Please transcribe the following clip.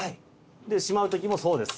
でしまう時もそうです。